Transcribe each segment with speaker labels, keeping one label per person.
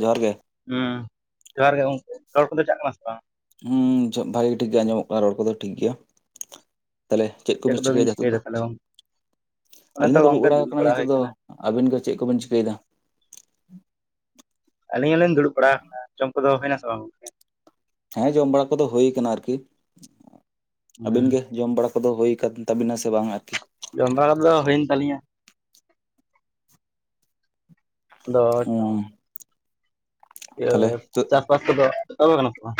Speaker 1: ᱡᱚᱦᱟᱨ ᱜᱮ
Speaker 2: ᱦᱸ ᱡᱚᱦᱟᱨ ᱜᱮ ᱜᱚᱝᱠᱮ ᱨᱚᱲ ᱠᱚᱫᱚ ᱪᱟᱞ ᱠᱟᱱᱟ ᱥᱮ ᱵᱟᱝ
Speaker 1: ᱦᱩᱸ ᱵᱷᱟᱜᱮ ᱴᱷᱤᱠ ᱜᱮ ᱟᱸᱡᱚᱢᱚᱜ ᱠᱟᱱᱟ ᱨᱚᱲ ᱠᱚᱫᱚ ᱴᱷᱤᱠ ᱜᱮᱭᱟ ᱛᱟᱦᱞᱮ ᱪᱮᱫ ᱠᱚᱵᱤᱱ
Speaker 2: ᱠᱚᱫᱚᱵᱤᱱ
Speaker 1: ᱪᱤᱠᱟᱭᱮᱫᱟ ᱱᱤᱛᱚᱜ ᱫᱚ
Speaker 2: ᱪᱤᱠᱟᱹᱭᱮᱫᱟ ᱛᱟᱦᱚᱞᱮ ᱜᱚᱝᱠᱮ? ᱚᱱᱮ
Speaker 1: ᱟᱹᱞᱤᱧ
Speaker 2: ᱛᱚ
Speaker 1: ᱫᱚ ᱫᱩᱲᱩᱵ
Speaker 2: ᱜᱚᱝᱠᱮ
Speaker 1: ᱵᱟᱲᱟ ᱟᱠᱟᱱᱟ ᱱᱤᱛᱚᱜ
Speaker 2: ᱦᱩᱭ
Speaker 1: ᱫᱚ ᱟᱵᱤᱱ ᱠᱚ ᱪᱮᱫ ᱠᱚᱵᱤᱱ ᱪᱤᱠᱟᱹᱭᱮᱫᱟ?
Speaker 2: ᱟᱹᱞᱤᱧ ᱦᱚᱸᱞᱤᱧ ᱫᱩᱲᱩᱵ ᱵᱟᱲᱟ ᱟᱠᱟᱱᱟ ᱡᱚᱢ ᱠᱚᱫᱚ ᱦᱩᱭᱱᱟᱥ ᱥᱮ ᱵᱟᱝ?
Speaker 1: ᱦᱮᱸ ᱡᱚᱢ ᱵᱟᱲᱟ ᱠᱚᱫᱚ ᱦᱩᱭ ᱠᱟᱱᱟ ᱟᱨᱠᱤ ᱟᱹᱵᱤᱱ
Speaker 2: ᱦᱩᱸ
Speaker 1: ᱜᱮ? ᱡᱚᱢ ᱵᱟᱲᱟ ᱠᱚᱫᱚ ᱦᱩᱭ ᱟᱠᱟᱱ ᱛᱟᱵᱤᱱᱟ ᱥᱮ ᱵᱟᱝ ᱟᱨᱠᱤ
Speaker 2: ᱡᱚᱢᱰᱟᱲ ᱫᱚ ᱦᱩᱭᱮᱱ ᱛᱟᱞᱤᱧᱟ ᱟᱫᱚ
Speaker 1: ᱚᱸ
Speaker 2: ᱤᱭᱟᱹ ᱪᱟᱥᱵᱟᱥ ᱠᱚᱫᱚ ᱮᱛᱚᱦᱚᱵ ᱠᱟᱱᱟ ᱥᱮ ᱵᱟᱝ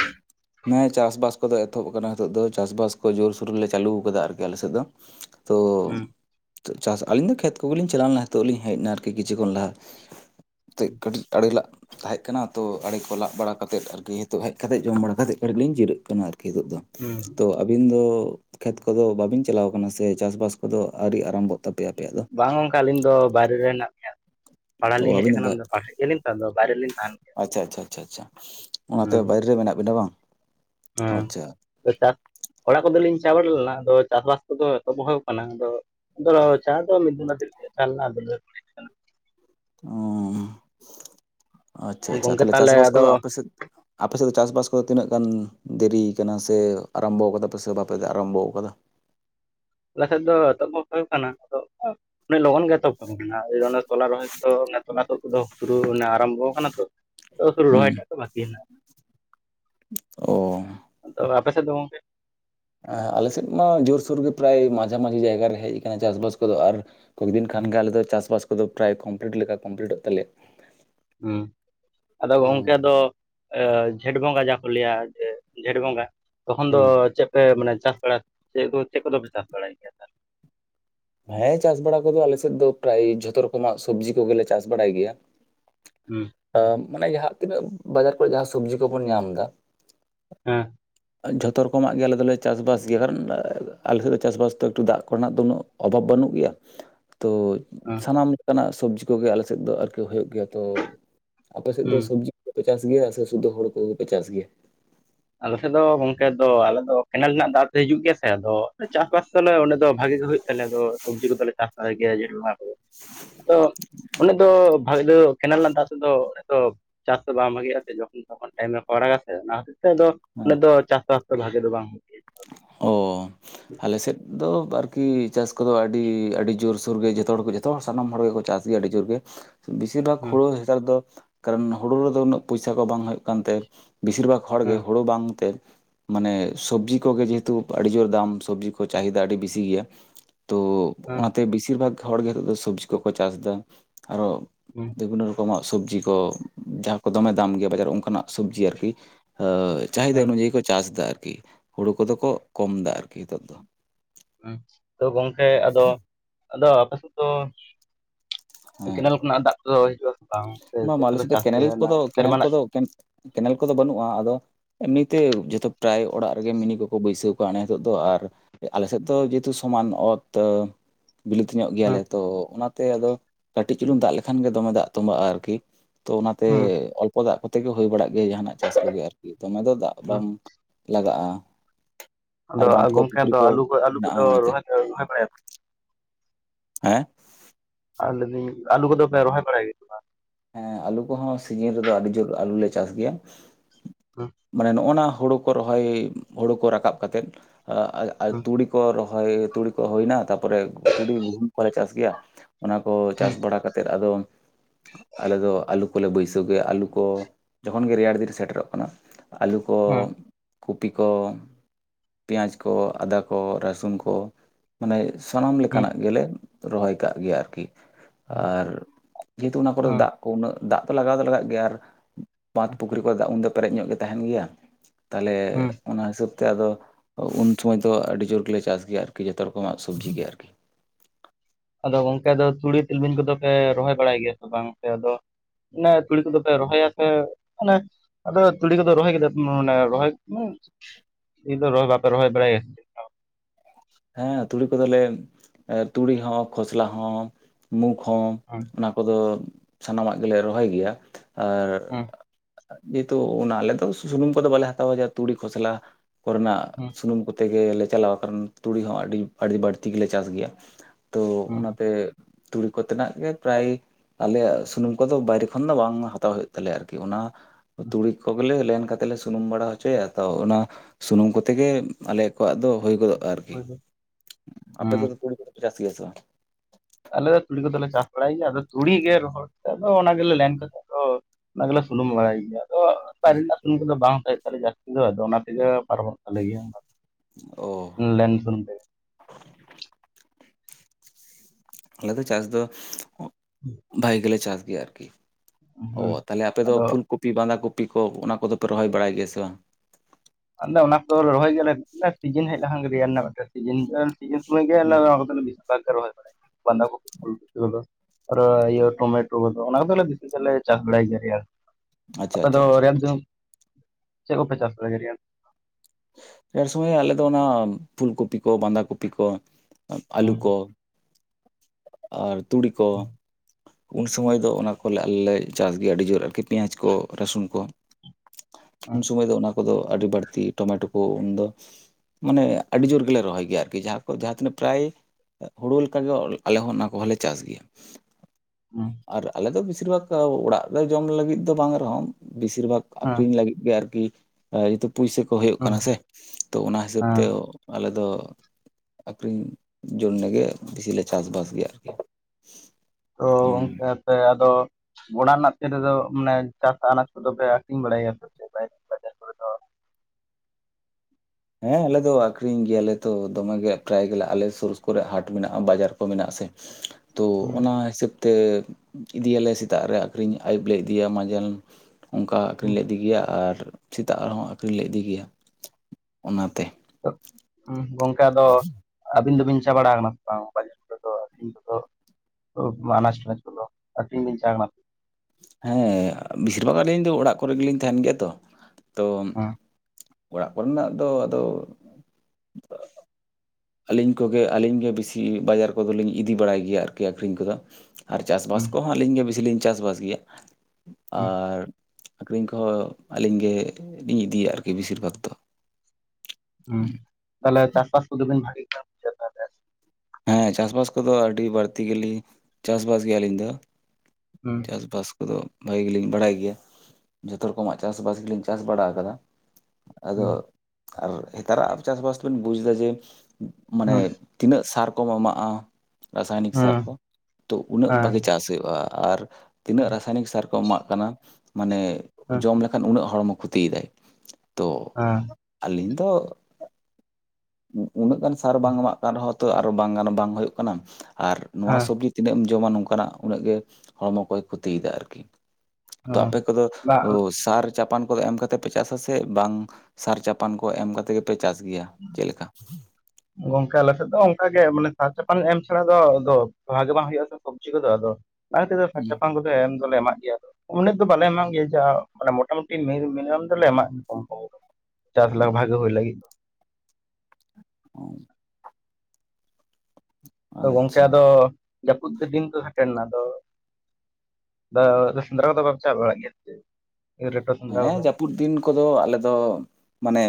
Speaker 1: ᱱᱮᱸ ᱪᱟᱥᱼᱵᱟᱥ ᱠᱚᱫᱚ ᱮᱛᱚᱦᱚᱵ ᱠᱟᱱᱟ ᱱᱤᱛᱚᱜ ᱫᱚ ᱪᱟᱥᱼᱵᱟᱥ ᱠᱚ ᱡᱳᱨᱥᱩᱨᱞᱮ ᱪᱟᱹᱞᱩ ᱠᱟᱫᱟ ᱟᱨᱠᱤ ᱟᱞᱮ ᱥᱮᱫ ᱫᱚ ᱛᱚ
Speaker 2: ᱦᱩᱸ
Speaker 1: ᱪᱟᱥ ᱟᱹᱞᱤᱧ ᱫᱚ ᱠᱷᱮᱛ ᱠᱚᱜᱮᱞᱤᱧ ᱪᱟᱞᱟᱣ ᱞᱮᱱᱟ ᱱᱤᱛᱚᱜ ᱞᱤᱧ ᱦᱮᱡ ᱱᱟ ᱟᱨᱠᱤ ᱠᱤᱪᱷᱩ ᱠᱷᱚᱱ ᱞᱟᱦᱟ ᱱᱛᱮᱫ ᱠᱟᱹᱴᱤᱡ ᱟᱲᱮ ᱞᱟᱜ ᱛᱟᱦᱮᱸ ᱠᱟᱱᱟ ᱛᱚ ᱟᱲᱮ ᱠᱚ ᱞᱟᱜ ᱵᱟᱲᱟ ᱠᱟᱛᱮᱫ ᱟᱨᱠᱤ ᱱᱤᱛᱚᱜ ᱦᱮᱡᱠᱟᱛᱮᱫ ᱡᱚᱢ ᱵᱟᱲᱟ ᱠᱟᱛᱮᱫ [unintelligible] ᱞᱤᱧ ᱡᱤᱨᱟᱹᱜ ᱠᱟᱱᱟ ᱟᱨᱠᱤ ᱱᱤᱛᱳ ᱫᱚ
Speaker 2: ᱦᱩᱸ
Speaker 1: ᱛᱚ ᱟᱹᱵᱤᱱ ᱫᱚ ᱠᱷᱮᱛ ᱠᱚᱫᱚ ᱵᱟᱵᱤᱱ ᱪᱟᱞᱟᱣ ᱟᱠᱟᱱᱟ ᱥᱮ ᱪᱟᱥᱵᱟᱥ ᱠᱚᱫᱚ ᱟᱹᱣᱨᱤ ᱟᱨᱟᱢᱵᱷᱚᱜ ᱛᱟᱯᱮ ᱟᱯᱮᱭᱟᱜ ᱫᱚ
Speaker 2: ᱦᱮ ᱟᱹᱞᱤᱧ ᱫᱚ ᱵᱟᱭᱨᱮ ᱨᱮ ᱦᱮᱱᱟᱜᱞᱤᱧᱟ ᱯᱟᱲᱦᱟᱣ
Speaker 1: ᱚ
Speaker 2: ᱞᱤᱧ ᱦᱮᱡ
Speaker 1: ᱟᱹᱵᱤᱱ ᱫᱚ ᱵᱟ-
Speaker 2: ᱟᱠᱟᱱᱟ ᱯᱟᱲᱦᱟᱜ ᱜᱮᱭᱟᱞᱤᱧ ᱛᱚ ᱟᱫᱚ ᱵᱟᱭᱨᱮᱞᱤᱧ
Speaker 1: ᱟᱪᱪᱷᱟ ᱟᱪᱪᱷᱟ ᱟᱪᱷᱟᱷᱟ ᱟᱪᱪᱷᱟ ᱚᱱᱟᱛᱮ ᱵᱟᱭᱨᱮ ᱨᱮ ᱢᱮᱱᱟᱜ ᱵᱤᱱᱟ ᱵᱟᱝ
Speaker 2: ᱦᱩᱸ
Speaker 1: ᱟᱪᱪᱷᱟ
Speaker 2: [unintelligible] [unintelligible] ᱚᱲᱟᱜ ᱠᱚᱫᱚᱞᱤᱧ ᱪᱟ ᱵᱟᱲᱟ ᱞᱮᱱᱟ ᱟᱫᱚ ᱪᱟᱥᱵᱟᱥ ᱠᱚᱫᱚ ᱮᱛᱚᱵᱚᱦᱚ ᱠᱟᱱᱟ ᱟᱫᱚ ᱟᱫᱚ ᱪᱟ ᱫᱚ ᱢᱤᱫ ᱫᱤᱱ ᱵᱟᱨᱫᱤᱱᱞᱤᱧ ᱪᱟ ᱞᱮᱱᱟ ᱟᱨ ᱫᱤᱱ
Speaker 1: ᱚ ᱟᱪᱪᱷᱟ ᱟᱪᱪᱷᱟ
Speaker 2: ᱜᱚᱝᱠᱮ
Speaker 1: ᱛᱟᱦᱞᱮ
Speaker 2: ᱛᱟᱦᱚᱞᱮ
Speaker 1: ᱪᱟᱥᱵᱟᱥ
Speaker 2: ᱟᱫᱚ
Speaker 1: ᱠᱚᱫᱚ ᱟᱯᱮᱥᱮᱫ ᱟᱯᱮᱥᱮᱫ ᱫᱚ ᱪᱟᱥ ᱵᱟᱟᱥ ᱠᱚᱫᱚ ᱛᱤᱱᱟᱹᱜ ᱜᱟᱱ ᱫᱮᱨᱤ ᱟᱠᱟᱱᱟ ᱥᱮ ᱟᱨᱟᱢᱵᱚ ᱟᱠᱟᱫᱟ ᱯᱮ ᱥᱮ ᱵᱟᱯᱮ ᱟᱨᱟᱢᱵᱚ ᱟᱠᱟᱫᱟ
Speaker 2: ᱟᱞᱮᱥᱮᱫ ᱫᱚ ᱮᱛᱚᱦᱚᱵᱢᱟ ᱦᱳᱭᱠᱟᱱ ᱟᱫᱚ ᱟᱫᱚ ᱰᱤ ᱞᱚᱜᱚᱱ ᱜᱮ ᱮᱛᱚᱵ ᱠᱟᱱᱟ ᱛᱞᱟ ᱨᱚᱦᱚᱭ ᱛᱚ ᱚᱱᱮ ᱛᱚᱞᱟ ᱛᱳᱫ ᱠᱚᱫᱚ ᱥᱩᱨᱩ ᱢᱟᱱᱮ ᱟᱨᱟᱢᱵᱷᱚ ᱟᱠᱟᱱᱟ ᱛᱚ ᱦᱤᱛᱳᱜ ᱫᱚ ᱥᱩᱫᱩ
Speaker 1: ᱦᱩᱸ
Speaker 2: ᱨᱚᱦᱚᱭ ᱴᱟᱜ ᱵᱟᱠᱤ ᱦᱮᱱᱟᱜᱼᱟ
Speaker 1: ᱚ
Speaker 2: ᱟᱫᱚ ᱟᱯᱮ ᱥᱮᱫ ᱫᱚ ᱜᱚᱝᱠᱮ
Speaker 1: ᱟᱞᱮ ᱥᱮᱫ ᱢᱟ ᱡᱳᱨᱥᱳᱨ ᱜᱮ ᱯᱮᱨᱟᱭ ᱢᱟᱡᱷᱟᱼᱢᱟᱡᱷᱤ ᱡᱟᱭᱜᱟ ᱨᱮ ᱦᱮᱡ ᱟᱠᱟᱱᱟ ᱪᱟᱥᱼᱵᱟᱥ ᱠᱚᱫᱚ ᱟᱨ ᱠᱚᱢᱠᱫᱤᱱ ᱠᱷᱟᱱᱜᱮ ᱟᱞᱮ ᱫᱚ ᱪᱟᱥᱵᱟᱥ ᱠᱚᱫᱚ ᱯᱮᱨᱟᱭ ᱠᱚᱢᱯᱞᱤᱴ ᱞᱮᱠᱟ ᱠᱚᱢᱯᱞᱤᱴᱚᱜ ᱛᱟᱞᱮᱭᱟ
Speaker 2: ᱦᱩᱸ ᱟᱫᱚ
Speaker 1: ᱚ
Speaker 2: ᱜᱚᱝᱠᱮ ᱟᱫᱚ ᱡᱷᱮᱸᱴ ᱵᱚᱸᱜᱟ ᱡᱟ ᱠᱚ ᱞᱟᱹᱭᱟ ᱡᱮ ᱡᱷᱮᱸᱴ ᱵᱚᱸᱜᱟ ᱛᱚᱠᱷᱚᱱ ᱫᱚ
Speaker 1: ᱦᱩᱸ
Speaker 2: ᱪᱮᱫ ᱯᱮ ᱢᱟᱱᱮ ᱪᱟᱥ ᱵᱟᱲ ᱪᱮᱫ ᱪᱮᱫ ᱠᱚᱫᱚᱯᱮ ᱪᱟᱥ ᱵᱟᱲᱟᱭ ᱜᱮᱭᱟ ᱛᱟᱦᱞᱮ
Speaker 1: ᱦᱮᱸ ᱪᱟᱥ ᱵᱟᱲᱟ ᱠᱚᱫᱚ ᱟᱞᱮᱥᱮᱫ ᱫᱚ ᱯᱨᱟᱭ ᱡᱷᱚᱛᱚ ᱨᱚᱠᱚᱢᱟᱜ ᱥᱚᱵᱽᱡᱤ ᱠᱚᱜᱮᱞᱮ ᱪᱟᱥ ᱵᱟᱲᱟᱭ ᱜᱮᱭᱟ
Speaker 2: ᱦᱩᱸ
Speaker 1: ᱦᱮ ᱢᱟᱱᱮ ᱡᱟᱦᱟᱸ ᱛᱤᱱᱟᱹᱜ ᱵᱟᱡᱟᱨ ᱠᱚᱨᱮ ᱡᱟᱦᱟᱸ ᱥᱚᱵᱡᱤ ᱠᱚᱵᱚᱱ ᱧᱟᱢ ᱮᱫᱟ
Speaker 2: ᱦᱮᱸ
Speaker 1: ᱡᱷᱚᱛᱚ ᱨᱚᱠᱚᱢᱟᱜ ᱜᱮ ᱟᱞᱮ ᱫᱚᱞᱮ ᱪᱟᱥᱵᱟᱥ ᱜᱮᱭᱟ ᱠᱟᱨᱚᱱ ᱟᱞᱮᱥᱮᱫ ᱫᱚ ᱪᱟᱥᱵᱟᱥ ᱫᱚ ᱮᱠᱴᱩ ᱫᱟᱜ ᱠᱚᱨᱮᱱᱟᱜ ᱫᱚ ᱩᱱᱟᱹᱜ ᱚᱵᱷᱟᱵᱽ ᱵᱟᱹᱱᱩᱜ ᱜᱮᱭᱟ ᱛᱚ
Speaker 2: ᱦᱮᱸ
Speaker 1: ᱥᱟᱱᱟᱢ ᱞᱮᱠᱟᱱᱟᱜ ᱥᱚᱵᱡᱤ ᱠᱚᱜᱮ ᱟᱞᱮ ᱥᱮᱫ ᱫᱚ ᱟᱨᱠᱤ ᱦᱩᱭᱩᱜ ᱜᱮᱭᱟ ᱛᱚ ᱟᱯᱮ ᱥᱮᱫ ᱫᱚ
Speaker 2: ᱦᱩᱸ
Speaker 1: ᱥᱚᱵᱽᱡᱤ ᱠᱚᱯᱮ ᱪᱟᱥ ᱜᱮᱭᱟ ᱥᱮ ᱥᱩᱫᱩ ᱦᱳᱲᱳ ᱠᱚᱜᱮᱯᱮ ᱪᱟᱥ ᱜᱮᱭᱟ
Speaker 2: ᱟᱞᱮ ᱥᱮᱫ ᱫᱚ ᱜᱚᱝᱠᱮ ᱫᱚ ᱟᱞᱮ ᱫᱚ ᱠᱮᱱᱮᱞ ᱨᱮᱱᱟᱜ ᱫᱟᱜ ᱛᱮ ᱦᱤᱡᱩᱜ ᱜᱮᱭᱟ ᱥᱮ ᱟᱫᱚ ᱪᱟᱥᱵᱟᱥ ᱫᱚᱞᱮ ᱚᱸᱰᱮ ᱫᱚ ᱵᱷᱟᱜᱮ ᱜᱮ ᱦᱩᱭᱩᱜᱼᱟ ᱛᱟᱦᱮᱞᱮ ᱟᱫᱚ ᱥᱚᱵᱡᱤ ᱠᱚᱫᱚᱞᱮ ᱪᱟᱥ ᱵᱟᱲᱟᱭ ᱜᱮᱭᱟ ᱡᱮ ᱱᱚᱳᱭᱟ ᱠᱚᱫᱚ ᱟᱫᱚᱢ ᱚᱱᱟ. ᱜ ᱫᱚ ᱵᱷᱟᱜᱤ ᱫᱚ ᱠᱮᱱᱮᱞ ᱨᱮᱱᱟᱜ ᱫᱟᱜ ᱛᱮᱫᱚ ᱟᱞᱮ ᱫᱚ ᱪᱟᱥ ᱫᱚ ᱵᱟᱝ ᱵᱷᱟᱜᱤᱜᱼᱟ ᱥᱮ ᱡᱚᱠᱷᱚᱱ ᱛᱚᱠᱷᱚᱱ ᱴᱟᱭᱤᱢ ᱨᱮᱠᱚ ᱟᱲᱟᱜᱟᱥᱮ ᱚᱱᱟ ᱠᱷᱟᱹᱛᱤᱨ ᱛᱮ ᱟᱫᱚ
Speaker 1: ᱦᱮᱸ
Speaker 2: ᱩᱱᱟᱹᱜ ᱫᱚ ᱪᱟᱥᱼᱵᱟᱥ ᱫᱚ ᱵᱷᱟᱜᱮ ᱫᱚ ᱵᱟᱝ ᱦᱩᱭᱩᱜᱼᱟ᱾
Speaker 1: ᱚᱻ ᱟᱞᱮ ᱥᱮᱫ ᱫᱚ ᱟᱨᱠᱤ ᱪᱟᱥ ᱠᱚᱫᱚ ᱟᱹᱰᱤ ᱟᱹᱰᱤ ᱡᱳᱨᱥᱳᱨᱜᱮ ᱡᱚᱛᱚ ᱦᱚᱲ ᱡᱚᱛᱚ ᱦᱚᱲ ᱥᱟᱱᱟᱢ ᱦᱚᱲ ᱜᱮᱠᱚ ᱪᱟᱥ ᱥᱤᱭᱟ ᱟᱹᱰᱤ ᱡᱩᱨᱜ ᱜᱮ ᱵᱮᱥᱤ ᱵᱷᱟᱜᱽ
Speaker 2: ᱦᱮᱸ
Speaker 1: ᱦᱩᱲᱩ ᱱᱮᱛᱟᱨ ᱫᱚ ᱠᱟᱨᱚᱱ ᱦᱩᱲᱩ ᱨᱮᱫᱚ ᱩᱱᱟᱹᱜ ᱯᱩᱭᱥᱟ ᱠᱚ ᱵᱟᱝ ᱦᱩᱭᱩᱜ ᱠᱟᱱᱛᱮ ᱵᱮᱥᱤᱨ ᱵᱷᱟᱜᱽ ᱦᱚᱲ ᱜᱮ
Speaker 2: ᱦᱮᱸ
Speaker 1: ᱦᱩᱲᱩ ᱵᱟᱝᱛᱮ ᱢᱟᱱᱮ ᱥᱚᱵᱡᱤ ᱠᱚᱜᱮ ᱡᱮᱛ ᱼᱼ ᱛᱩ ᱟᱹᱰᱤ ᱡᱳᱨ ᱫᱟᱢ ᱥᱚᱵᱡᱤ ᱠᱚ ᱪᱟᱦᱤᱫᱟ ᱟᱹᱰᱤ ᱵᱮᱥᱤ ᱜᱮᱭᱟ ᱛᱚ
Speaker 2: ᱦᱮᱸ
Speaker 1: ᱚᱱᱟᱛᱮ ᱵᱮᱥᱤᱨ ᱵᱷᱟᱜᱽ ᱦᱚᱲᱜᱮ ᱱᱤᱛᱚᱜ ᱫᱚ ᱥᱚᱵᱡᱤ ᱠᱚᱠᱚ ᱪᱟᱥ ᱮᱫᱟ ᱟᱨᱚ
Speaker 2: ᱦᱩᱸ
Speaker 1: ᱵᱤᱵᱷᱤᱱᱱᱚ ᱨᱚᱠᱚᱢᱟᱜ ᱥᱚᱵᱽᱡᱤ ᱠᱚ ᱡᱟᱦᱟᱸ ᱠᱚ ᱫᱚᱢᱮ ᱫᱟᱢ ᱜᱮᱭᱟ ᱵᱟᱡᱟᱨ ᱚᱱᱠᱟᱱᱟᱜ ᱥᱚᱵᱽᱡᱤ ᱟᱨᱠᱤ ᱟ ᱪᱟᱦᱤᱫᱟ
Speaker 2: ᱦᱮᱸ
Speaker 1: ᱚᱱᱩᱡᱟᱭᱤ ᱠᱚ ᱪᱟᱥ ᱮᱫᱟ ᱟᱨᱠᱤ ᱦᱩᱲᱳ ᱠᱚᱫᱚ ᱠᱚ ᱠᱚᱢ ᱮᱫᱟ ᱟᱨᱠᱤ ᱱᱤᱛᱚᱜ ᱫᱚ
Speaker 2: ᱦᱩᱸ ᱛᱚ ᱜᱚᱢᱠᱮ ᱟᱫᱚ ᱟᱫᱚ ᱟᱯᱮ ᱥᱮᱫ ᱫᱚ ᱠᱮᱱᱮᱞ ᱠᱷᱚᱱᱟᱜ ᱫᱟᱜ ᱠᱚᱫᱚ ᱦᱤᱡᱩᱜᱼᱟ ᱥᱮ ᱵᱟᱝ ᱥᱮ
Speaker 1: ᱵᱟᱸ
Speaker 2: ᱪᱮᱫ
Speaker 1: ᱵᱟᱸ
Speaker 2: ᱛᱮᱯᱮ
Speaker 1: ᱟᱞᱮᱥᱮᱫ ᱫᱚ
Speaker 2: ᱪᱟᱥ
Speaker 1: ᱠᱮᱱᱮᱞ
Speaker 2: ᱜᱮᱭᱟ ᱚᱱᱟ
Speaker 1: ᱠᱚᱫᱚ ᱠᱮᱱᱮᱞ
Speaker 2: ᱥᱮᱨᱢᱟ ᱨᱮᱱᱟᱜ
Speaker 1: ᱠᱚᱫᱚ ᱠᱮᱱᱮᱞ ᱠᱚᱫᱚ ᱵᱟᱹᱱᱩᱜᱼᱟ ᱟᱫᱚ ᱮᱢᱱᱤ ᱛᱮ ᱡᱚᱛᱚ ᱯᱨᱟᱭ ᱚᱲᱟᱜ ᱨᱮᱜᱮ ᱢᱤᱱᱤ ᱠᱚᱠᱚ ᱵᱟᱹᱭᱥᱟᱹᱣ ᱠᱟᱣᱱᱟ ᱱᱤᱛᱚᱜ ᱫᱚ ᱟᱨ ᱟᱞᱮ ᱥᱮᱫ ᱫᱚ ᱡᱮᱦᱮᱛᱩ ᱥᱚᱢᱟᱱ ᱚᱛ ᱵᱤᱞᱟᱹᱛᱤ ᱧᱚᱜ
Speaker 2: ᱦᱮᱸ
Speaker 1: ᱜᱮᱭᱟᱞᱮ ᱛᱚ ᱚᱱᱟᱛᱮ ᱟᱫᱚ ᱠᱟᱹᱴᱤᱡ ᱪᱩᱞᱩᱝ ᱫᱟᱜ ᱞᱮᱠᱷᱟᱱ ᱜᱮ ᱫᱚᱢᱮ ᱫᱟᱜ ᱛᱩᱵᱟᱜᱼᱟ ᱟᱨᱠᱤ ᱛᱚ ᱚᱱᱟᱛᱮ
Speaker 2: ᱦᱮᱸ
Speaker 1: ᱚᱞᱯᱚ ᱫᱟᱜ ᱠᱚᱛᱮ ᱜᱮ ᱦᱳᱭ ᱵᱟᱲᱟᱜ ᱜᱮᱭᱟ ᱡᱟᱦᱟᱱᱟᱜ ᱪᱟᱥ ᱠᱚᱜᱮ ᱟᱨᱠᱤ ᱛᱚ ᱫᱚᱢᱮ ᱫᱚ ᱫᱟᱜ
Speaker 2: ᱦᱮᱸ
Speaker 1: ᱵᱟᱝ ᱞᱟᱜᱟᱜᱼᱟ ᱟᱨ
Speaker 2: ᱟᱫᱚ
Speaker 1: ᱵᱟᱸᱫᱷ ᱠᱚ
Speaker 2: ᱜᱚᱢᱠᱮ
Speaker 1: ᱯᱩᱠᱷᱨᱤ
Speaker 2: ᱫᱚ ᱟᱹᱞᱩ ᱠᱚ ᱟᱹᱞᱩ
Speaker 1: ᱢᱮᱱᱟᱜᱼᱟ
Speaker 2: ᱠᱚᱫᱚ
Speaker 1: ᱚᱱᱟᱛᱮ
Speaker 2: ᱨᱚᱦᱚᱭ ᱨᱚᱦᱚᱭ ᱵᱟᱲᱟᱭᱟ
Speaker 1: ᱦᱮᱸ
Speaker 2: ᱟᱨ ᱞᱟᱹᱭ ᱫᱟᱹᱧ ᱟᱹᱞᱩ ᱠᱚᱫᱚ ᱯᱮ ᱨᱚᱦᱚᱸᱭ ᱵᱟᱲᱟᱭ ᱜᱮᱭᱟ ᱵᱟᱝ?
Speaker 1: ᱦᱮᱸ ᱟᱞᱩ ᱠᱚᱦᱚᱸ ᱥᱤᱡᱤᱱ ᱨᱮᱫᱚ ᱟᱹᱰᱤ ᱡᱳᱨ ᱟᱹᱞᱩ ᱞᱮ ᱪᱟᱥ ᱜᱮᱭᱟ
Speaker 2: ᱦᱮᱸ
Speaker 1: ᱢᱟᱱᱮ ᱱᱚᱜᱼ ᱱᱟ ᱦᱳᱲᱳ ᱠᱚ ᱨᱚᱦᱚᱭ ᱦᱳᱲᱳ ᱠᱚ ᱨᱟᱠᱟᱵ ᱠᱟᱛᱮᱫ ᱟᱭ ᱛᱩᱲᱤ ᱠᱚ ᱨᱚᱦᱚᱭ ᱦᱚᱭ ᱛᱩᱲᱤ ᱠᱚ ᱦᱩᱭᱱᱟ ᱛᱟᱨᱯᱚᱨᱮ ᱛᱩᱲᱤ ᱜᱩᱦᱩᱢ ᱠᱚᱞᱮ ᱪᱟᱥ ᱜᱮᱭᱟ ᱚᱱᱟ ᱠᱚ
Speaker 2: ᱦᱮᱸ
Speaker 1: ᱪᱟᱥ ᱵᱟᱲᱟ ᱠᱟᱛᱮᱜ ᱟᱫᱚ ᱟᱞᱮ ᱫᱚ ᱟᱹᱞᱩ ᱠᱚᱞᱮ ᱵᱟᱹᱭᱥᱟᱹᱣ ᱜᱮᱭᱟ ᱟᱹᱞᱩ ᱠᱚ ᱡᱚᱠᱷᱚᱱ ᱜᱮ ᱨᱮᱭᱟᱲ ᱫᱤᱱ ᱥᱮᱴᱮᱨᱚᱜ ᱠᱟᱱᱟ ᱟᱹᱞᱩ ᱠᱚ
Speaker 2: ᱦᱮᱸ
Speaker 1: ᱠᱚᱯᱤ ᱠᱚ ᱯᱮᱸᱭᱟᱡᱽ ᱠᱚ ᱟᱫᱟ ᱠᱚ ᱨᱟᱹᱥᱩᱱ ᱠᱚ ᱢᱟᱱᱮ ᱥᱟᱱᱟᱢ
Speaker 2: ᱦᱮᱸ
Speaker 1: ᱞᱮᱠᱟᱱᱟᱜ ᱜᱮᱞᱮ ᱨᱚᱦᱚᱭ ᱠᱟᱜ ᱜᱮᱭᱟ ᱟᱨᱠᱤ ᱟᱨ ᱡᱮᱦᱮᱛᱩ ᱚᱱᱟ ᱠᱚᱨᱮ
Speaker 2: ᱦᱮᱸ
Speaker 1: ᱫᱟᱜ ᱠᱚ ᱩᱱᱟᱹᱜ ᱫᱟᱜ ᱫᱚ ᱞᱟᱜᱟᱣ ᱫᱚ ᱞᱟᱜᱟᱜ ᱜᱮᱭᱟ ᱟᱨ ᱵᱟᱸᱫ ᱯᱩᱠᱷᱨᱤ ᱠᱚᱨᱮ ᱫᱟᱜ ᱩᱱ ᱫᱚ ᱯᱮᱨᱮᱡ ᱧᱚᱜ ᱜᱮ ᱛᱟᱦᱮᱱ ᱜᱮᱭᱟ ᱛᱟᱦᱞᱮ
Speaker 2: ᱦᱮᱸ
Speaker 1: ᱚᱱᱟ ᱦᱤᱥᱟᱹᱵᱽ ᱛᱮ ᱟᱫᱚ ᱩᱱ ᱥᱢᱚᱭ ᱫᱚ ᱟᱹᱰᱤ ᱡᱳᱨ ᱜᱮᱞᱮ ᱪᱟᱥ ᱜᱮᱭᱟ ᱟᱨᱠᱤ ᱡᱚᱛᱚ ᱨᱚᱠᱚᱢᱟᱜ ᱥᱚᱵᱽᱡᱤ ᱜᱮ ᱟᱨᱠᱤ
Speaker 2: ᱟᱫᱚ ᱜᱚᱝᱠᱮ ᱫᱚ ᱛᱩᱲᱤ ᱛᱤᱞᱢᱤᱧ ᱠᱚᱫᱚ ᱯᱮ ᱨᱚᱦᱚᱭ ᱵᱟᱲᱟᱭ ᱜᱮᱭᱟ ᱥᱮ ᱵᱟᱝ ᱥᱮ ᱟᱫᱚ ᱚᱱᱮ ᱛᱩᱲᱤ ᱠᱚᱫᱚ ᱯᱮ ᱨᱚᱦᱚᱭᱟ ᱯᱮ ᱟᱱᱮ ᱟᱫᱚ ᱛᱩᱲᱤ ᱠᱚᱫᱚ ᱨᱚᱦᱚᱭ ᱠᱮᱫᱟ ᱨᱚᱦᱚᱭ ᱵᱟᱯᱮ ᱨᱚᱦᱚᱭ ᱵᱟᱲᱟᱭ ᱜᱮᱭᱟ
Speaker 1: ᱦᱮᱸ ᱛᱩᱲᱤ ᱠᱚᱫᱚᱞᱮ ᱛᱩᱲᱤ ᱦᱚᱸ ᱠᱷᱚᱥᱞᱟ ᱦᱚᱸ ᱢᱩᱠ ᱦᱚᱸ
Speaker 2: [unintelligible]
Speaker 1: ᱚᱱᱟ ᱠᱚᱫᱚ ᱥᱟᱱᱟᱢᱟᱜ ᱜᱮᱞᱮ ᱨᱚᱦᱚᱭ ᱜᱮᱭᱟ ᱟᱨ
Speaker 2: ᱦᱩᱸ
Speaker 1: ᱡᱮᱦᱮᱛᱩ ᱚᱱᱟ ᱟᱞᱮ ᱫᱚ ᱥᱩᱱᱩᱢ ᱠᱚᱫᱚ ᱵᱟᱞᱮ ᱦᱟᱛᱟᱣᱟ ᱡᱟ ᱛᱩᱲᱤ ᱠᱷᱚᱥᱞᱟ ᱠᱚᱨᱮᱱᱟᱜ
Speaker 2: ᱦᱩᱸ
Speaker 1: ᱥᱩᱱᱩᱢ ᱠᱚ ᱛᱮᱜᱮᱞᱮ ᱪᱟᱞᱟᱣᱟ ᱠᱟᱨᱚᱱ ᱛᱩᱲᱤ ᱦᱚᱸ ᱟᱹᱰᱤ ᱟᱹᱰᱤ ᱵᱟᱹᱲᱛᱤ ᱜᱮᱞᱮ ᱪᱟᱥ ᱜᱮᱭᱟ ᱛᱚ
Speaker 2: ᱦᱩᱸ
Speaker 1: ᱚᱱᱟᱛᱮ ᱛᱩᱲᱤ ᱠᱚᱛᱮ ᱱᱟᱜ ᱜᱮ ᱯᱨᱟᱭ ᱟᱞᱮᱭᱟᱜ ᱥᱩᱱᱩᱢ ᱠᱚᱫᱚ ᱵᱟᱭᱨᱮ ᱠᱷᱚᱱ ᱫᱚ ᱵᱟᱝ ᱦᱟᱛᱟᱣ ᱦᱳᱭᱳᱜ ᱛᱟᱞᱮᱭᱟ ᱟᱨᱠᱤ ᱚᱱᱟ
Speaker 2: ᱦᱩᱸ
Speaker 1: ᱛᱩᱲᱤ ᱠᱚᱜᱮᱞᱮ ᱞᱮᱱ ᱠᱟᱛᱮ ᱠᱟᱛᱮ ᱞᱮ ᱥᱩᱱᱩᱢ ᱵᱟᱲᱟ ᱦᱚᱪᱚᱭᱟ ᱛᱚ ᱚᱱᱟ ᱥᱩᱱᱩᱢ ᱠᱚᱛᱮ ᱜᱮ ᱟᱞᱮᱚᱣᱟᱜ ᱫᱚ ᱦᱳᱭ ᱜᱚᱫᱚᱜ
Speaker 2: ᱦᱳᱭ ᱫᱚ
Speaker 1: ᱟᱯᱮ
Speaker 2: ᱦᱩᱸ
Speaker 1: ᱫᱚ ᱛᱩᱲᱤ ᱠᱚᱫᱚ ᱯᱮ ᱪᱟᱥ ᱜᱮᱭᱟ ᱥᱮ ᱵᱟᱝ
Speaker 2: ᱟᱞᱮ ᱫᱚ ᱛᱩᱲᱤ ᱠᱚᱫᱚᱞᱮ ᱪᱟᱥ ᱵᱟᱲᱟᱭ ᱜᱮᱭᱟ ᱟᱫᱚ ᱛᱩᱲᱤ ᱜᱮ ᱨᱚᱦᱚᱲ ᱠᱟᱛᱮ ᱟᱫᱚ ᱚᱱᱟ ᱜᱮᱞᱮ ᱞᱮᱱ ᱠᱟᱛᱮ ᱟᱫᱚ ᱚᱱᱟ ᱜᱮᱞᱮ ᱥᱩᱱᱩᱢ ᱞᱟᱜᱟᱭ ᱜᱮᱭᱟ ᱟᱫᱚ ᱨᱮᱱᱟᱜ ᱥᱩᱱᱩᱢ ᱛᱮᱫᱚ ᱵᱟᱝ ᱦᱳᱭᱳᱜ ᱛᱟᱞᱮᱭᱟ ᱡᱟᱹᱥᱛᱤ ᱫᱚ ᱟᱫᱚ ᱚᱱᱟ ᱛᱮᱜᱮ ᱯᱟᱨᱚᱢᱚᱜ ᱛᱟᱞᱮ ᱜᱮᱭᱟ
Speaker 1: ᱚ
Speaker 2: ᱞᱮᱱ ᱥᱩᱱᱩᱢ ᱛᱮᱜᱮ
Speaker 1: ᱟᱞᱮ ᱫᱚ ᱪᱟᱥ ᱫᱚ ᱵᱷᱟᱜᱮ ᱜᱮᱞᱮ ᱪᱟᱥ ᱜᱮᱭᱟ ᱟᱨᱠᱤ
Speaker 2: ᱦᱩᱸ
Speaker 1: ᱚ ᱛᱟᱦᱞᱮ ᱟᱯᱮ ᱫᱚ
Speaker 2: ᱟᱫᱚ
Speaker 1: ᱯᱷᱩᱞ ᱠᱚᱯᱤ ᱵᱟᱸᱫᱟ ᱠᱚᱯᱤ ᱠᱚ ᱚᱱᱟ ᱠᱚᱫᱚᱯᱮ ᱨᱚᱦᱚᱭ ᱵᱟᱲᱟᱭ ᱜᱮᱭᱟ ᱥᱮ ᱵᱟᱝ
Speaker 2: ᱟᱫᱟ ᱚᱱᱟ ᱠᱚᱫᱚ ᱞᱮ ᱨᱚᱦᱚᱭ ᱜᱮᱭᱟᱞᱮ ᱥᱤᱡᱤᱱ ᱦᱮᱡ ᱞᱮᱱᱠᱷᱟᱱ ᱜᱮ ᱨᱮᱭᱟᱲ ᱨᱮᱱᱟᱜ ᱢᱤᱫᱴᱮᱱ ᱥᱤᱡᱤᱱ ᱩᱱ ᱥᱩᱢᱚᱭ ᱜᱮ
Speaker 1: ᱦᱩᱸ
Speaker 2: ᱱᱚᱣᱟ ᱠᱚᱫᱚ ᱵᱤᱥᱤᱨᱵᱷᱟᱜ ᱞᱮ ᱨᱚᱦᱚᱭ ᱵᱟᱲᱟᱭᱼᱟ ᱵᱟᱸᱫᱷᱟ ᱠᱚᱯᱤ ᱯᱷᱩᱞ ᱠᱚᱯᱤ ᱠᱚᱫᱚ ᱟᱨ ᱤᱭᱟᱹ ᱴᱚᱢᱮᱴᱳ ᱠᱚᱫ ᱚᱱᱟ ᱠᱚᱫᱚ ᱞᱮ ᱫᱚᱞᱮ ᱪᱟᱥ ᱵᱟᱲᱟᱭ ᱜᱮᱭᱟ ᱨᱮᱭᱟᱲ
Speaker 1: ᱟᱪᱪᱷᱟ
Speaker 2: ᱟᱯᱮ
Speaker 1: ᱟᱪᱪᱷᱟ
Speaker 2: ᱫᱚ
Speaker 1: ᱟᱪᱪᱷᱟ
Speaker 2: ᱨᱮᱭᱟᱲ ᱪᱮᱫ ᱠᱚᱯᱮ ᱪᱟᱥ ᱵᱟᱲᱟᱭᱼᱟ
Speaker 1: ᱨᱮᱭᱟᱲ ᱥᱚᱢᱚᱭ ᱟᱞᱮ ᱫᱚ ᱚᱱᱟ ᱯᱷᱩᱞ ᱠᱚᱯᱤ ᱠᱚ ᱵᱟᱸᱫᱷᱟ ᱠᱚᱯᱤ ᱠᱚ ᱟᱹᱞᱩ
Speaker 2: ᱦᱩᱸ
Speaker 1: ᱠᱚ ᱟᱨ ᱛᱩᱲᱤ ᱠᱚ
Speaker 2: ᱦᱩᱸ
Speaker 1: ᱩᱱ ᱥᱚᱢᱚᱭ ᱫᱚ ᱚᱱᱟ ᱠᱚᱞᱮ ᱟᱞᱮᱞᱮ ᱪᱟᱥ ᱜᱮᱭᱟ ᱟᱹᱰᱤ ᱡᱳᱨ ᱟᱨᱠᱤ ᱯᱮᱸᱭᱟᱡᱽ ᱠᱚ ᱨᱟᱹᱥᱩᱱ ᱠᱚ ᱩᱱ ᱥᱚᱢᱚᱭ ᱫᱚ ᱚᱱᱟ ᱠᱚᱫᱚ ᱟᱹᱰᱤ ᱵᱟᱹᱲᱛᱤ ᱴᱚᱢᱮᱴᱳ ᱠᱚ ᱩᱱᱫᱚ ᱢᱟᱱᱮ ᱟᱹᱰᱤ ᱡᱳᱨ ᱜᱮᱞᱮ ᱨᱚᱦᱚᱭ ᱜᱮᱭᱟ ᱟᱨᱠᱤ ᱡᱟᱦᱟᱸ ᱠᱚ ᱡᱟᱦᱟᱸ ᱛᱤᱱᱟᱹᱜ ᱯᱨᱟᱭ ᱦᱳᱲᱳ ᱞᱮᱠᱟᱜᱮ ᱟᱞᱮ ᱦᱚᱸ ᱚᱱᱟ ᱠᱚᱦᱚᱸᱞᱮ ᱪᱟᱥ ᱜᱮᱭᱟ
Speaker 2: ᱦᱩᱸ
Speaker 1: ᱟᱨ ᱟᱞᱮ ᱫᱚ ᱵᱮᱥᱤᱨ ᱵᱷᱟᱜᱽ ᱚᱲᱟᱜ ᱨᱮ ᱡᱚᱢ ᱞᱟᱹᱜᱤᱫ ᱫᱚ ᱵᱟᱝ ᱨᱮᱦᱚᱸ ᱵᱮᱥᱤᱨ ᱵᱷᱟᱜ ᱟᱠᱷᱨᱤᱧ ᱞᱟᱹᱜᱤᱫ ᱜᱮ ᱟᱨᱠᱤ ᱡᱮᱦᱚᱛᱩ ᱯᱩᱭᱥᱟᱹ ᱠᱚ ᱦᱳᱭᱳᱜ
Speaker 2: ᱦᱩᱸ ᱦᱩᱸ
Speaker 1: ᱠᱟᱱᱟ ᱥᱮ ᱛᱚ ᱚᱱᱟ ᱦᱤᱥᱟᱹᱵ
Speaker 2: ᱦᱮᱸ
Speaker 1: ᱛᱮ ᱟᱞᱮ ᱫᱚ ᱟᱠᱷᱨᱤᱧ ᱡᱚᱱᱱᱮ ᱜᱮ ᱵᱮᱥᱤ ᱞᱮ ᱪᱟᱥ ᱵᱟᱥ ᱜᱮᱭᱟ ᱟᱨᱠᱤ
Speaker 2: ᱛᱚ ᱚᱱᱠᱟᱱ ᱦᱮᱸ ᱟᱫᱚ ᱚᱱᱟ ᱨᱮᱱᱟᱜ ᱛᱮᱫ ᱫᱚ ᱢᱟᱱᱮ ᱪᱟᱥ ᱟᱱᱟᱡ ᱠᱚᱫᱚᱯᱮ ᱟᱠᱠᱷᱨᱤᱧ ᱵᱟᱲᱟᱭ ᱜᱮᱭᱟᱯᱮ
Speaker 1: ᱦᱮᱸ ᱟᱞᱮ ᱫᱚ ᱟᱠᱷᱨᱤᱧ ᱜᱮᱭᱟᱞᱮ ᱛᱚ ᱫᱚᱢᱮ ᱜᱮ ᱯᱨᱟᱭ ᱜᱮᱞᱮ ᱟᱞᱮ ᱥᱩᱨ ᱠᱚᱨᱮ ᱦᱟᱴ ᱢᱮᱱᱟᱜᱼᱟ ᱵᱟᱡᱟᱨ ᱠᱚ ᱢᱮᱱᱟᱜᱼᱟ ᱥᱮ ᱛᱚ
Speaker 2: ᱦᱩᱸ
Speaker 1: ᱚᱱᱟ ᱦᱤᱥᱟᱹᱵ ᱛᱮ ᱤᱫᱤᱭᱟᱞᱮ ᱥᱮᱛᱟᱜ ᱨᱮ ᱟᱹᱠᱷᱨᱤᱧ ᱟᱹᱭᱩᱵ ᱞᱮ ᱤᱫᱤᱭᱟ ᱢᱟᱡᱟᱱ ᱚᱱᱠᱟ ᱟᱹᱠᱷᱨᱤᱧ ᱞᱮ ᱮᱫᱤ ᱜᱮᱭᱟ ᱟᱨ ᱥᱮᱛᱟᱜ ᱨᱮᱦᱚᱸ ᱟᱹᱠᱷᱨᱤᱧ ᱞᱮ ᱮᱫᱤ ᱜᱮᱭᱟ ᱚᱱᱟ ᱛᱮ
Speaker 2: ᱜᱚᱝᱠᱮ ᱟᱫᱚ ᱟᱹᱵᱤᱱ ᱫᱚᱵᱤᱱ ᱪᱟ ᱵᱟᱲᱟ ᱟᱠᱟᱱᱟ ᱥᱮ ᱵᱟᱝ ᱵᱟᱡᱟᱨ ᱛᱚ ᱟᱹᱠᱨᱤᱧ ᱠᱚᱫᱚ ᱛᱚ ᱚᱱᱟ ᱟᱱᱟᱡ ᱯᱟᱱᱟᱡ ᱠᱚᱫᱚ ᱟᱹᱠᱨᱤᱧ ᱞᱤᱧ ᱪᱟ ᱠᱟᱱᱟ᱾
Speaker 1: ᱦᱮᱸ ᱵᱮᱥᱤᱨ ᱵᱷᱟᱜᱽ ᱟᱹᱞᱤᱧ ᱫᱚ ᱚᱲᱟᱜ ᱠᱚᱨᱮ ᱜᱮᱞᱤᱧ ᱛᱟᱦᱮᱱ ᱜᱮᱭᱟ ᱛᱚ, ᱛᱚ
Speaker 2: ᱦᱮᱸ
Speaker 1: ᱚᱲᱟᱜ ᱠᱚᱨᱮᱱᱟᱜ ᱫᱚ, ᱟᱫᱚ ᱟᱹᱞᱤᱧ ᱠᱚᱜᱮ ᱟᱹᱞᱤᱧ ᱜᱮ ᱵᱮᱥᱤ ᱵᱟᱡᱟᱨ ᱠᱚᱫᱚ ᱞᱤᱧ ᱤᱫᱤ ᱵᱟᱲᱟᱭ ᱜᱮᱭᱟ ᱟᱨᱠᱤ ᱟᱹᱠᱷᱨᱤᱧ ᱠᱚᱫᱚ᱾ ᱟᱨ ᱪᱟᱥᱵᱟᱥ
Speaker 2: ᱦᱩᱸ
Speaker 1: ᱠᱚᱦᱚᱸ ᱟᱹᱞᱤᱧ ᱜᱮ ᱵᱮᱥᱤ ᱞᱤᱧ ᱪᱟᱥ ᱵᱟᱥ ᱜᱮᱭᱟ
Speaker 2: ᱦᱩᱸ
Speaker 1: ᱟᱨ ᱟᱠᱷᱨᱤᱧ ᱠᱚᱦᱚᱸ ᱟᱹᱞᱤᱧ ᱜᱮ ᱞᱤᱧ ᱤᱫᱤᱭᱟ ᱟᱨᱠᱤ ᱵᱮᱥᱤᱨ ᱵᱷᱟᱜᱽ ᱫᱚ᱾
Speaker 2: ᱦᱩᱸ ᱛᱟᱦᱮ ᱪᱟᱥᱼᱵᱟᱥ ᱠᱚᱫᱟ ᱵᱷᱟᱜᱤ ᱜᱟᱱ
Speaker 1: ᱦᱮᱸ ᱪᱟᱥᱼᱵᱟᱥ ᱠᱚᱫᱚ ᱟᱹᱰᱤ ᱵᱟᱹᱲᱛᱤ ᱜᱮᱞᱤᱧ ᱪᱟᱥ ᱵᱟᱥ ᱜᱮᱭᱟ ᱟᱹᱞᱤᱧ ᱫᱚ᱾
Speaker 2: ᱦᱩᱸ
Speaker 1: ᱪᱟᱥ ᱵᱟᱥ ᱠᱚᱫᱚ ᱵᱷᱟᱜᱤ ᱜᱮᱞᱤᱧ ᱵᱟᱲᱟᱭ ᱜᱮᱭᱟ ᱡᱚᱛᱚ ᱨᱚᱠᱚᱢᱟᱜ ᱪᱟᱥ ᱵᱟᱥ ᱜᱮᱞᱤᱧ ᱪᱟᱥ ᱵᱟᱲᱟ ᱟᱠᱟᱫᱟ᱾
Speaker 2: ᱦᱩᱸ
Speaker 1: ᱟᱫᱚ ᱟᱨ ᱱᱮᱛᱟᱨᱟᱜ ᱪᱟᱥ ᱵᱟᱥ ᱫᱚᱵᱮᱱ ᱵᱩᱡᱽ ᱮᱫᱟ ᱡᱮ ᱢᱟᱱᱮ
Speaker 2: ᱦᱩᱸ
Speaker 1: ᱛᱤᱱᱟᱹᱜ ᱥᱟᱨ ᱠᱚᱢ ᱮᱢᱟᱜᱼᱟ, ᱨᱟᱥᱟᱭᱱᱤᱠ ᱥᱟᱨ
Speaker 2: ᱦᱩᱸ
Speaker 1: ᱠᱚ ᱛᱚ ᱩᱱᱟᱹᱜ
Speaker 2: ᱦᱮᱸ
Speaker 1: ᱵᱷᱟᱜᱤ ᱪᱟᱥ ᱦᱩᱭᱩᱜᱼᱟ ᱟᱨ ᱛᱤᱱᱟᱹᱜ ᱨᱟᱥᱟᱭᱱᱤᱠ ᱥᱟᱨ ᱠᱚᱢ ᱮᱢᱟᱜ ᱠᱟᱱᱟ, ᱢᱟᱱᱮ
Speaker 2: ᱦᱮᱸ
Speaker 1: ᱡᱚᱢ ᱞᱮᱠᱷᱟᱱ ᱩᱱᱟᱹᱜ ᱦᱚᱲᱢᱚ ᱠᱷᱚᱛᱤᱭ ᱫᱟᱭ, ᱛᱚ
Speaker 2: ᱦᱮᱸ
Speaker 1: ᱟᱹᱞᱤᱧ ᱫᱚ ᱩᱱᱟᱹᱜ ᱜᱟᱱ ᱥᱟᱨ ᱵᱟᱝ ᱮᱢᱟᱜ ᱠᱟᱱ ᱨᱮᱦᱚᱸ ᱛᱚ ᱟᱨᱚ ᱵᱟᱝ ᱜᱟᱱ ᱵᱟᱝ ᱦᱩᱭᱩᱜ ᱠᱟᱱᱟ ᱟᱨ ᱱᱚᱣᱟ
Speaker 2: ᱦᱮᱸ
Speaker 1: ᱥᱚᱵᱡᱤ ᱛᱤᱱᱟᱹᱜ ᱮᱢ ᱡᱚᱢᱟ ᱱᱚᱝᱠᱟᱱᱟᱜ ᱩᱱᱟᱹᱜ ᱜᱮ ᱦᱚᱲᱢᱚ ᱠᱚᱭ ᱠᱷᱚᱛᱤᱭ ᱮᱫᱟ ᱟᱨᱠᱤ᱾ ᱛᱚ
Speaker 2: ᱦᱮᱸ
Speaker 1: ᱟᱯᱮ ᱠᱚᱫᱚ
Speaker 2: ᱵᱟ
Speaker 1: ᱚᱸ ᱥᱟᱨ ᱪᱟᱯᱟᱱ ᱠᱚᱫᱚ ᱮᱢ ᱠᱟᱛᱮ ᱯᱮ ᱪᱟᱥᱟ ᱥᱮ ᱵᱟᱝ ᱥᱟᱨ ᱪᱟᱯᱟᱱ ᱠᱚ ᱮᱢ ᱠᱟᱛᱮᱫ ᱜᱮᱯᱮ ᱪᱟᱥ ᱜᱮᱭᱟ ᱪᱮᱫ ᱞᱮᱠᱟ? [inaudible]
Speaker 2: ᱜᱚᱝᱠᱮ ᱟᱞᱮ ᱥᱮᱫ ᱫᱚ ᱚᱱᱠᱟ ᱜᱮ ᱢᱟᱱᱮ ᱥᱟᱨ ᱪᱟᱯᱟᱱ ᱮᱢ ᱪᱷᱟᱲᱟ ᱫᱚ ᱟᱫᱚ ᱵᱷᱟᱜᱮ ᱵᱟᱝ ᱦᱩᱭᱩᱜ-ᱟ ᱥᱮ ᱥᱚᱵᱽᱡᱤ ᱠᱚᱫᱚ ᱟᱫᱚ ᱞᱟᱦᱟ ᱛᱮᱫᱚ ᱥᱟᱨ ᱪᱟᱯᱟᱱ ᱠᱚᱫᱚ ᱮᱢ ᱫᱚᱞᱮ ᱮᱢᱟᱜ ᱜᱮᱭᱟ ᱟᱫᱚ ᱩᱱᱟᱹᱜ ᱫᱚ ᱵᱟᱞᱮ ᱮᱢᱟᱜ ᱜᱮᱭᱟ ᱡᱮ ᱢᱚᱴᱟ ᱢᱩᱴᱤ ᱢᱤᱱᱤᱢᱟᱢ ᱫᱚᱞᱮ ᱮᱢᱟᱜ [unintelligible] ᱪᱟᱥ ᱞᱟᱠᱷ ᱵᱷᱟᱜᱮ ᱦᱩᱭ ᱞᱟᱹᱜᱤᱫ
Speaker 1: [inaudible]
Speaker 2: ᱜᱚᱢᱠᱮ
Speaker 1: ᱟᱪᱪᱷᱟ
Speaker 2: ᱟᱫᱚ ᱡᱟᱹᱯᱩᱫ ᱫᱤᱱ ᱛᱚ ᱥᱮᱴᱮᱨ ᱮᱱᱟ ᱟᱫᱚ ᱟᱫᱚ ᱥᱮᱸᱫᱽᱨᱟ ᱠᱚᱫᱚ ᱵᱟᱢ ᱪᱟ ᱵᱟᱲᱟᱜ ᱜᱮᱭᱟ ᱥᱮᱪᱮᱫ?
Speaker 1: ᱦᱮᱸ ᱡᱟ ᱯᱩᱫ ᱫᱤᱱ ᱠᱚᱫᱚ ᱟᱞᱮ ᱫᱚ ᱢᱟᱱᱮ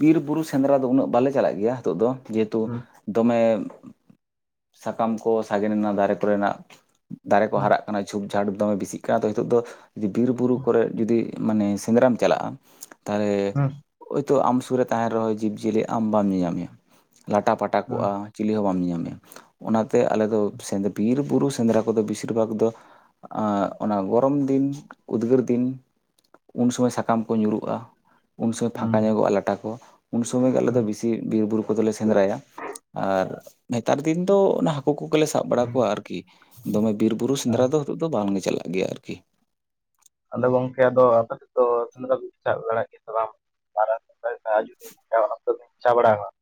Speaker 1: ᱵᱤᱨ ᱵᱩᱨᱩ ᱥᱮᱸᱫᱽᱨᱟ ᱫᱚ ᱩᱱᱟᱹᱜ ᱵᱟᱞᱮ ᱪᱟᱞᱟᱜ ᱜᱮᱭᱟ ᱱᱤᱛᱚᱜ ᱫᱚ᱾ ᱡᱮᱦᱮᱛᱩ ᱫᱚᱢᱮ ᱥᱟᱠᱟᱢ ᱠᱚ ᱥᱟᱜᱮᱱ ᱮᱱᱟ ᱫᱟᱨᱮ ᱠᱚᱨᱮᱱᱟᱜ ᱫᱟᱨᱮ ᱠᱚ ᱦᱟᱨᱟᱜ ᱠᱟᱱᱟ ᱡᱷᱩᱯ ᱡᱷᱟᱴ ᱫᱚᱢᱮ ᱵᱮᱥᱤᱜ ᱠᱟᱱᱟ ᱛᱚ ᱱᱤᱛᱚᱜ ᱫᱚ ᱵᱤᱨ ᱵᱩᱨᱩ ᱠᱚᱨᱮ ᱡᱩᱫᱤ ᱢᱟᱱᱮ ᱥᱮᱸᱫᱽᱨᱟᱢ ᱪᱟᱞᱟᱜᱼᱟ, ᱛᱟᱦᱚᱞᱮ ᱦᱳᱭᱛᱳ ᱟᱢ ᱥᱩᱨ ᱨᱮ ᱛᱟᱦᱮᱱ ᱨᱮᱦᱚᱸ ᱡᱤᱵᱽᱼᱡᱤᱭᱟᱹᱞᱤ ᱟᱢ ᱵᱟᱢ ᱧᱮᱞ ᱧᱟᱢᱮᱭᱟ ᱞᱟᱴᱟ ᱯᱟᱴᱟ ᱠᱚᱜᱼᱟ᱾ ᱪᱤᱞᱤ ᱦᱚᱸ ᱵᱟᱢ ᱧᱮᱞ ᱧᱟᱢᱮᱭᱟ ᱚᱱᱟ ᱛᱮ ᱟᱞᱮ ᱫᱚ ᱵᱤᱨ ᱵᱩᱨᱩ ᱥᱮᱸᱫᱽᱨᱟ ᱠᱚᱫᱚ ᱵᱮᱥᱤᱨ ᱵᱷᱟᱜᱽ ᱫᱚ ᱟᱸᱜ ᱚᱱᱟ ᱜᱚᱨᱚᱢ ᱫᱤᱱ ᱩᱫᱽᱜᱟᱹᱨ ᱫᱤᱱ ᱩᱱ ᱥᱚᱢᱚᱭ ᱥᱟᱠᱟᱢ ᱠᱚ ᱧᱩᱨᱩᱜᱼᱟ ᱩᱱ ᱥᱚᱢᱚᱭ ᱯᱷᱟᱸᱠᱟ ᱧᱚᱜᱚᱜᱼᱟ ᱞᱟᱴᱟ ᱠᱚ, ᱩᱱ ᱥᱚᱢᱚᱭ ᱜᱮ ᱟᱞᱮ ᱫᱚ ᱵᱤᱥᱤ ᱵᱤᱨ ᱵᱩᱨᱩ ᱠᱚᱫᱚᱞᱮ ᱥᱮᱸᱫᱽᱨᱟᱭᱟ, ᱟᱨ ᱱᱮᱛᱟᱨ ᱫᱤᱱ ᱫᱚ ᱚᱱᱟ ᱦᱟᱹᱠᱩ ᱠᱚᱜᱮ ᱞᱮ ᱥᱟᱵ ᱵᱟᱲᱟ ᱠᱚᱣᱟ ᱟᱨᱠᱤ ᱫᱚᱢᱮ ᱵᱤᱨ ᱵᱩᱨᱩ ᱥᱮᱸᱫᱽᱨᱟ ᱫᱚ ᱱᱤᱛᱚᱜ ᱫᱚ ᱵᱟᱝᱞᱮ ᱪᱟᱞᱟᱜ ᱜᱮᱭᱟ ᱟᱨᱠᱤ᱾
Speaker 2: ᱟᱫᱚ ᱜᱚᱝᱠᱮ ᱟᱫᱚ ᱟᱯᱮ ᱥᱮᱫ ᱫᱚ ᱥᱮᱸᱫᱽᱨᱟ ᱪᱟᱜ ᱵᱟᱲᱟᱜ ᱜᱮᱭᱟ ᱥᱮ ᱵᱟᱝ? [unintelligible] ᱪᱟ ᱵᱟᱲᱟ ᱟᱠᱟᱱᱟ?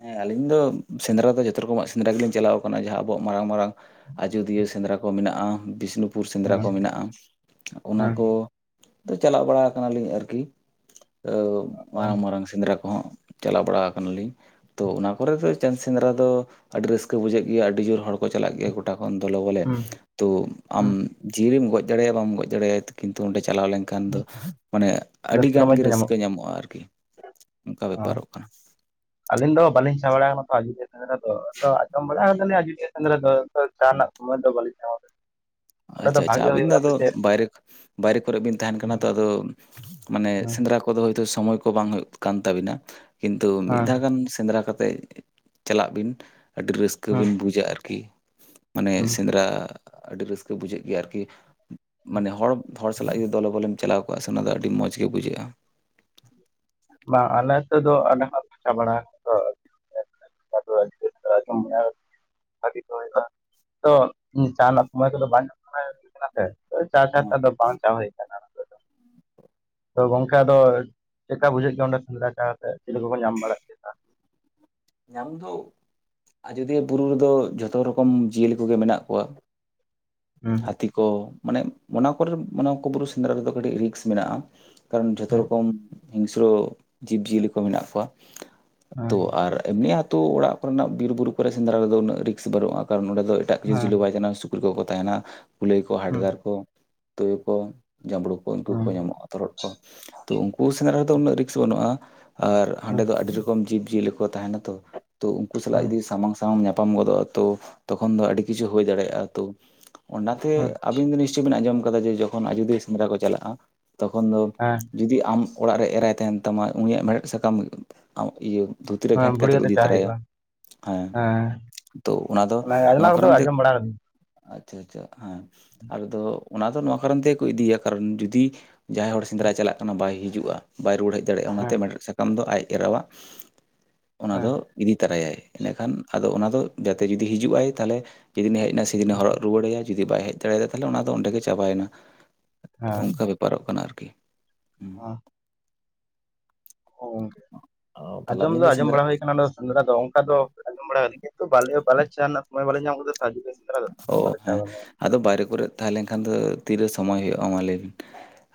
Speaker 1: ᱦᱮᱸ ᱟᱞᱤᱧ ᱫᱚ ᱥᱮᱸᱫᱽᱨᱟ ᱫᱚ ᱡᱚᱛᱚ ᱨᱚᱠᱚᱢᱟᱜ ᱥᱮᱸᱫᱽᱨᱟ ᱜᱮᱞᱤᱧ ᱪᱟᱞᱟᱣ ᱠᱟᱱᱟ ᱡᱟᱦᱟᱸ ᱟᱵᱚᱣᱟᱜ ᱢᱟᱨᱟᱝ ᱢᱟᱨᱟᱝ ᱟᱡᱳᱫᱤᱭᱟᱹ ᱥᱮᱸᱫᱽᱨᱟ ᱠᱚ ᱢᱮᱱᱟᱜᱼᱟ, ᱵᱤᱥᱱᱩᱯᱩᱨ ᱥᱮᱸᱫᱽᱨᱟ ᱠᱚ ᱢᱮᱱᱟᱜᱼᱟ, ᱚᱱᱟ ᱠᱚ ᱛᱚ ᱪᱟᱞᱟᱣ ᱵᱟᱲᱟ ᱠᱟᱱᱟᱞᱤᱧ ᱟᱨᱠᱤ ᱢᱟᱨᱟᱝ ᱢᱟᱨᱟᱝ ᱥᱮᱸᱫᱽᱨᱟ ᱠᱚ, ᱦᱚᱸ ᱪᱟᱞᱟᱣ ᱵᱟᱲᱟ ᱠᱟᱱᱟ ᱞᱤᱧ᱾ ᱛᱚ ᱚᱱᱟ ᱠᱚᱨᱮ ᱫᱚ ᱪᱚᱫᱽ ᱥᱮᱸᱫᱽᱨᱟ ᱫᱚ ᱟᱹᱰᱤ ᱨᱟᱹᱥᱠᱟᱹ ᱵᱩᱡᱷᱟᱹᱜ ᱜᱮᱭᱟ ᱟᱹᱰᱤ ᱡᱳᱨ ᱦᱚᱲ ᱪᱟᱞᱟᱜ ᱜᱮᱭᱟ ᱜᱚᱴᱟ ᱠᱷᱚᱱ ᱫᱚᱞᱚ ᱵᱚᱞᱮ, ᱛᱚ ᱟᱢ ᱡᱤᱭᱟᱹᱲᱮᱢ ᱜᱚᱡ ᱫᱟᱲᱮᱭᱟᱜᱼᱟ ᱵᱟᱢ ᱜᱚᱡ ᱫᱟᱲᱮᱭᱟᱜᱼᱟ ᱠᱤᱱᱛᱩ ᱚᱸᱰᱮ ᱪᱟᱞᱟᱣ ᱞᱮᱱᱠᱷᱟᱱ ᱮᱱᱠᱷᱟᱱ ᱫᱚ ᱢᱟᱱᱮ ᱟᱹᱰᱤ ᱜᱟᱱ
Speaker 2: ᱢᱚᱡᱽ
Speaker 1: ᱜᱮ
Speaker 2: ᱫᱚ ᱧᱟᱢᱚᱜ
Speaker 1: ᱨᱟᱹᱥᱠᱟᱹ ᱧᱟᱢᱚᱜᱼᱟ ᱟᱨᱠᱤ ᱚᱱᱠᱟ ᱵᱮᱯᱟᱨᱚᱜ ᱠᱟᱱᱟ᱾
Speaker 2: ᱟᱹᱞᱤᱧ ᱫᱚ ᱵᱟᱹᱞᱤᱧ ᱪᱟ ᱵᱟᱲᱟ ᱟᱠᱟᱱᱟ ᱛᱚ ᱟᱡᱚᱫᱤᱭᱟᱹ ᱥᱮᱫᱽᱨᱮᱫᱨᱟ ᱫᱚ ᱟᱸᱡᱚᱢ ᱵᱟᱲᱟ ᱟᱠᱟᱫᱟ ᱞᱤᱧ ᱟᱰᱤ ᱜᱮ ᱥᱮᱸᱫᱽᱨᱟ ᱪᱟᱞᱟᱜ ᱨᱮᱱᱟᱜ ᱥᱚᱢᱚᱭ ᱫᱚ ᱵᱟᱞᱤᱧ ᱧᱟᱢᱟ ᱵᱮᱥᱤ ᱫᱚ
Speaker 1: ᱟᱪᱪᱷᱟ ᱟᱪᱪᱷᱟ
Speaker 2: ᱵᱷᱟᱜᱮ
Speaker 1: ᱟᱹᱵᱤᱱ ᱫᱚ
Speaker 2: ᱦᱩᱭᱩᱜᱼᱟ ᱥᱮ
Speaker 1: ᱟᱫᱚ
Speaker 2: ᱪᱮᱫ
Speaker 1: ᱵᱟᱭᱨᱮ ᱵᱟᱭᱨᱮ ᱠᱚᱨᱮ ᱵᱤᱱ ᱛᱟᱦᱮᱱ ᱠᱟᱱᱟ
Speaker 2: ᱦᱮᱸ
Speaker 1: ᱛᱚ ᱟᱫᱚ ᱢᱟᱱᱮ
Speaker 2: ᱦᱮᱸ
Speaker 1: ᱥᱮᱸᱫᱽᱨᱟ ᱠᱚ ᱱᱤᱛᱳᱜ ᱫᱚ ᱦᱳᱭᱛᱳ ᱥᱚᱢᱚᱭ ᱠᱚ ᱵᱟᱝ ᱦᱩᱭᱩᱜ ᱠᱟᱱ ᱛᱟᱵᱤᱱᱟ, ᱠᱤᱱᱛᱩ ᱢᱤᱫ
Speaker 2: ᱦᱮᱸ
Speaker 1: ᱫᱷᱟᱣ ᱜᱟᱱ ᱥᱮᱸᱫᱽᱨᱟ ᱠᱟᱛᱮᱫ ᱪᱟᱞᱟᱜ ᱵᱤᱱ ᱟᱹᱰᱤ ᱨᱟᱹᱥᱠᱟᱹ ᱵᱤᱱ ᱵᱩᱡᱟ ᱟᱨᱠᱤ ᱢᱟᱱᱮ
Speaker 2: ᱦᱮᱸ.
Speaker 1: ᱥᱮᱸᱫᱽᱨᱟ, ᱟᱹᱰᱤ ᱨᱟᱹᱥᱠᱟᱹ ᱵᱩᱡᱷᱟᱹᱜ ᱜᱮᱭᱟ ᱟᱨᱠᱤ, ᱢᱟᱱᱮ ᱦᱚᱲ ᱦᱚᱲ ᱥᱟᱞᱟᱜ ᱡᱩᱫᱤ ᱫᱚᱞᱮ ᱵᱚᱞᱮᱢ ᱪᱟᱞᱟᱣ ᱠᱚᱜᱼᱟ, ᱚᱱᱟ ᱫᱚ ᱟᱹᱰᱤ ᱢᱚᱡᱽ ᱜᱮ ᱵᱩᱡᱷᱟᱹᱜᱼᱟ ᱾
Speaker 2: ᱵᱟᱝ ᱟᱞᱮ ᱛᱮᱫ ᱫᱚ ᱟᱞᱮ ᱦᱚᱸ ᱪᱟ ᱵᱟᱲᱟ [unintelligible] ᱫᱚ ᱦᱩᱭᱩᱜᱼᱟ, ᱛᱚ ᱡᱟᱦᱟᱸᱱᱟᱜ ᱥᱚᱢᱚᱭ ᱠᱚᱫᱚ ᱵᱟᱝ ᱪᱟ ᱠᱟᱛᱟ
Speaker 1: ᱦᱮᱸ
Speaker 2: ᱫᱚ ᱵᱟᱝ ᱪᱟ ᱦᱩᱭ ᱟᱠᱟᱱᱟ ᱾ ᱛᱚ ᱜᱚᱝᱠᱮ ᱟᱫᱚ ᱪᱮᱫ ᱞᱮᱠᱟ ᱵᱩᱡᱷᱟᱹᱜ ᱜᱮᱭᱟ, ᱚᱸᱰᱮ ᱥᱮᱫᱽᱨᱟ ᱪᱟ ᱠᱟᱛᱮ ᱪᱮᱞᱮ ᱠᱚᱠᱚ ᱧᱟᱢ ᱵᱟᱲᱟᱜᱼᱟ?
Speaker 1: ᱧᱟᱢ ᱫᱚ ᱟᱡᱚᱫᱤᱭᱟᱹ ᱵᱩᱨᱩ ᱨᱮᱫᱚ, ᱡᱷᱚᱛᱚ ᱨᱚᱠᱚᱢ ᱡᱤᱭᱟᱹᱞᱤ ᱠᱚ ᱜᱮ ᱢᱮᱱᱟᱜ ᱠᱚᱣᱟ ᱾
Speaker 2: ᱦᱩᱸ
Speaker 1: ᱦᱟᱹᱛᱤ ᱠᱚ ᱢᱟᱱᱮ ᱚᱱᱟ ᱠᱚᱨᱮ ᱢᱟᱱᱮ ᱠᱚ ᱵᱩᱨᱩ ᱥᱮᱸᱫᱽᱨᱟ ᱨᱮᱫᱚ ᱠᱟᱹᱴᱤᱡ ᱨᱤᱠᱥ ᱢᱮᱱᱟᱜᱼᱟ ᱾ ᱠᱟᱨᱚᱱ ᱡᱷᱚᱛᱚ
Speaker 2: ᱦᱮᱸ
Speaker 1: ᱨᱚᱠᱚᱢ ᱦᱤᱝᱥᱨᱚ ᱡᱤᱵᱽ ᱡᱤᱭᱟᱹᱞᱤ ᱠᱚ ᱢᱮᱱᱟᱜ ᱠᱚᱣᱟ ᱾ ᱛᱚ
Speaker 2: ᱦᱮᱸ
Speaker 1: ᱟᱨ ᱮᱢᱱᱤ ᱟᱹᱛᱩᱳ ᱚᱲᱟᱜ ᱠᱚ ᱨᱮᱱᱟᱜ ᱵᱤᱨ ᱵᱩᱨᱩ ᱠᱚᱨᱮ ᱥᱮᱸᱫᱽᱨᱟ ᱨᱮᱫᱚ ᱩᱱᱟᱹᱜ ᱨᱤᱠᱥ ᱵᱟᱹᱱᱩᱜᱼᱟ ᱾ ᱠᱟᱨᱚᱱ ᱚᱸᱰᱮ ᱫᱚ, ᱮᱴᱟᱜ ᱠᱤᱪᱷᱩ
Speaker 2: ᱦᱮᱸ
Speaker 1: ᱡᱤᱞᱟᱹ ᱵᱟᱭ ᱛᱟᱦᱮᱸᱱᱟ ᱾ ᱥᱩᱠᱨᱤ ᱠᱚ ᱠᱚ ᱛᱟᱦᱮᱸᱱᱟ ᱾ ᱠᱩᱞᱟᱹᱭ ᱠᱚ,
Speaker 2: ᱦᱩᱸ
Speaker 1: ᱦᱟᱰᱜᱟᱨ ᱠᱚ, ᱛᱩᱭᱩ ᱠᱚ, ᱡᱟᱸᱵᱽᱲᱩ ᱩᱱᱠᱩ ᱠᱚ
Speaker 2: ᱦᱩᱸ
Speaker 1: ᱧᱟᱢᱚᱜᱼᱟ, ᱛᱚᱨᱦᱚᱱ ᱠᱚ, ᱛᱚ ᱩᱱᱠᱩ ᱥᱮᱫᱽᱨᱟ ᱨᱮᱫᱚ ᱩᱱᱟᱹᱜ ᱨᱤᱠᱥ ᱵᱟᱹᱱᱩᱜᱼᱟ ᱾ ᱟᱨ ᱦᱟᱸᱰᱮ
Speaker 2: ᱦᱩᱸ
Speaker 1: ᱫᱚ ᱟᱹᱰᱤ ᱨᱚᱠᱚᱢ ᱡᱤᱵᱽ ᱡᱤᱭᱟᱹᱞᱤ ᱠᱚ ᱛᱟᱦᱮᱸᱱᱟ ᱛᱚ, ᱛᱚ ᱩᱱᱠᱩ ᱥᱟᱞᱟᱜ
Speaker 2: ᱦᱩᱸ
Speaker 1: ᱡᱩᱫᱤ ᱥᱟᱢᱟᱝ, ᱥᱟᱶ ᱧᱟᱯᱟᱢ ᱜᱚᱫᱚᱜᱼᱟ ᱛᱚ, ᱛᱚ ᱠᱷᱚᱱ ᱫᱚ ᱟᱹᱰᱤ ᱠᱤᱪᱷᱩ ᱦᱩᱭ ᱫᱟᱲᱮᱭᱟᱜᱼᱟ, ᱛᱚ ᱚᱱᱟ ᱛᱮ
Speaker 2: ᱦᱩᱸ
Speaker 1: ᱟᱹᱵᱤᱱ ᱫᱚ ᱱᱤᱥᱪᱳᱭ ᱵᱤᱱ ᱟᱸᱡᱚᱢ ᱠᱟᱫᱟ ᱡᱮ ᱡᱚᱠᱷᱚᱱ ᱟᱡᱚᱫᱤᱭᱟᱹ ᱥᱮᱸᱫᱽᱨᱟ ᱠᱚ ᱪᱟᱞᱟᱜᱼᱟ ᱾ ᱛᱚᱠᱷᱚᱱ ᱫᱚ
Speaker 2: ᱦᱮᱸ
Speaker 1: ᱡᱩᱫᱤ ᱟᱢ ᱚᱲᱟᱜ ᱨᱮ ᱮᱨᱟᱭ ᱛᱟᱦᱮᱸᱱ ᱛᱟᱢᱟ, ᱩᱱᱤᱭᱟᱜ ᱢᱮᱲᱦᱮᱫ ᱥᱟᱠᱟᱢ ᱟᱢ ᱤᱭᱟᱹ ᱫᱷᱩᱛᱤ ᱨᱮ
Speaker 2: ᱦᱮᱸ
Speaker 1: ᱜᱷᱮᱴ
Speaker 2: ᱵᱷᱩᱲᱤ
Speaker 1: ᱠᱟᱛᱮᱫ ᱠᱚ
Speaker 2: ᱠᱟᱛᱮ
Speaker 1: ᱤᱫᱤ
Speaker 2: ᱪᱟ
Speaker 1: ᱛᱚᱨᱟᱭᱟ
Speaker 2: ᱦᱩᱭᱩᱜᱼᱟ
Speaker 1: ᱾ ᱦᱮᱸ ᱛᱚ ᱚᱱᱟ ᱫᱚ
Speaker 2: ᱚᱱᱟ
Speaker 1: ᱱᱚᱣᱟ
Speaker 2: ᱠᱚᱫᱚ
Speaker 1: ᱠᱟᱨᱚᱱ ᱛᱮ
Speaker 2: ᱟᱸᱡᱚᱢ ᱵᱟᱲᱟ ᱠᱟᱹᱫᱟᱹᱧ
Speaker 1: ᱟᱪᱪᱷᱟ ᱟᱪᱪᱷᱟ ᱦᱮᱸ ᱟᱫᱚ ᱚᱱᱟ ᱫᱚ ᱱᱚᱣᱟ ᱠᱟᱨᱚᱱ ᱛᱮᱜᱮ ᱠᱚ ᱤᱫᱤᱭᱟ ᱠᱟᱨᱚᱱ ᱡᱩᱫᱤ ᱡᱟᱦᱟᱸᱭ ᱦᱚᱲ ᱥᱮᱸᱫᱽᱨᱟᱭ ᱪᱟᱞᱟᱜ ᱠᱟᱱᱟ ᱵᱟᱭ ᱦᱤᱡᱩᱜᱼᱟ, ᱵᱟᱭ ᱨᱩᱣᱟᱹᱲ ᱦᱮᱡ ᱫᱟᱲᱮᱭᱟᱜᱼᱟ, ᱚᱱᱟᱛᱮ
Speaker 2: ᱦᱮᱸ
Speaker 1: ᱢᱮ ᱥᱟᱠᱟᱢ ᱫᱚ ᱟᱡ ᱮᱨᱟᱣᱟᱜ ᱚᱱᱟ
Speaker 2: ᱦᱮᱸ
Speaker 1: ᱫᱚ ᱤᱫᱤ ᱛᱚᱨᱟᱭᱟᱭ ᱤᱱᱟᱹᱠᱷᱟᱱ ᱟᱫᱚ ᱚᱱᱟ ᱫᱚ ᱡᱟᱛᱮ ᱡᱩᱫᱤ ᱦᱤᱡᱩᱜᱼ ᱟᱭ ᱛᱟᱦᱚᱞᱮ ᱡᱮᱫᱤᱱᱮ ᱦᱮᱡ ᱮᱱᱟ ᱥᱮᱫᱤᱱ ᱮᱭ ᱦᱚᱨᱚᱜ ᱨᱩᱣᱟᱹᱲ ᱟᱭᱟ ᱡᱩᱫᱤ ᱵᱟᱭ ᱦᱮᱡ ᱫᱟᱲᱮᱭᱟᱫᱟ ᱛᱟᱦᱚᱞᱮ ᱚᱱᱟ ᱫᱚ ᱚᱸᱰᱮ ᱜᱮ ᱪᱟᱵᱟᱭᱮᱱᱟ ᱾
Speaker 2: ᱦᱮᱸ
Speaker 1: ᱚᱱᱠᱟ ᱵᱮᱯᱟᱨᱚᱜ ᱠᱟᱱᱟ ᱟᱨᱠᱤ, ᱦᱩᱸ
Speaker 2: [unintelligible] ᱚ ᱜᱚᱝᱠᱮ
Speaker 1: ᱚ ᱛᱟᱦᱚᱞᱮ
Speaker 2: ᱟᱸᱡᱚᱢ ᱫᱚ
Speaker 1: ᱟᱹᱵᱤᱱ
Speaker 2: ᱟᱸᱡᱚᱢ
Speaker 1: ᱥᱮᱸᱫᱽᱨᱟ
Speaker 2: ᱵᱟᱲᱟ ᱦᱩᱭ ᱠᱟᱱᱟ ᱾ ᱥᱮᱸᱫᱽᱨᱟ ᱫᱚ ᱚᱱᱠᱟ ᱫᱚ ᱟᱸᱡᱚᱢ ᱵᱟᱲᱟ ᱠᱟᱱ ᱜᱤᱭᱟ, ᱵᱟᱞᱮ ᱵᱟᱞᱮ ᱪᱟ ᱨᱮᱱᱟᱜ ᱥᱚᱢᱚᱭ ᱵᱟᱞᱮ ᱧᱟᱢ ᱟᱠᱟᱫᱟ ᱥᱮ ᱥᱮᱸᱫᱽᱨᱟ ᱫᱚ
Speaker 1: ᱚ
Speaker 2: ᱵᱟᱞᱮ ᱪᱟ
Speaker 1: ᱦᱮᱸ
Speaker 2: ᱠᱟᱱᱟ
Speaker 1: ᱟᱫᱚ ᱵᱟᱭᱨᱮ ᱠᱚᱨᱮ ᱛᱟᱦᱮᱸ ᱞᱮᱱᱠᱷᱟᱱ ᱫᱚ ᱛᱤᱨᱮ ᱥᱚᱢᱚᱭ ᱦᱩᱭᱩᱜᱼᱟ, ᱢᱟ ᱞᱟᱹᱭᱵᱤᱱ?